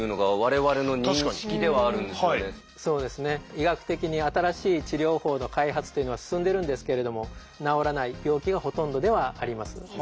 医学的に新しい治療法の開発というのは進んでるんですけれども治らない病気がほとんどではあります。